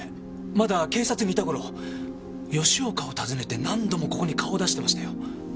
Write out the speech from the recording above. まだ警察にいた頃吉岡を訪ねて何度もここに顔を出してましたよ。